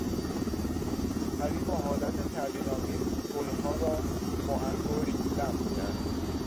پری با حالت تردیدآمیز گلها را با انگشت لمس کرد.